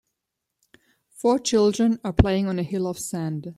Four children are playing on a hill of sand.